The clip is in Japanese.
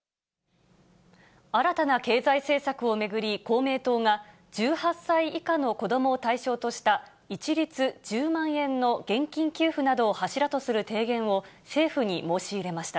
新たな経済政策を巡り、公明党が、１８歳以下の子どもを対象とした一律１０万円の現金給付などを柱とする提言を、政府に申し入れました。